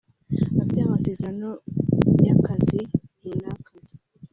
afite n’amasezerano y’akazi runaka